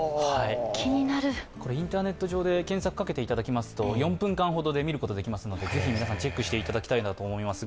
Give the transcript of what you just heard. インターネット上で検索をかけていただきますと、４分間ほどで見ることができますのでぜひ皆さん、チェックしていただたきいなと思います。